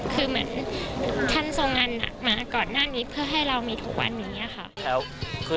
คือเหมือนท่านส่งงานมาก่อนหน้านี้เพื่อ